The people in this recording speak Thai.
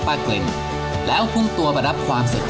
ก็เป็นบริเวณของประเทศเพื่อนบ้านอิตองจากด้านหลังผมเนี่ยนะครับ